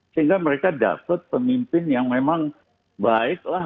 sehingga mereka dapat pemimpin yang memang baiklah